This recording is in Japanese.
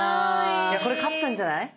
これ勝ったんじゃない？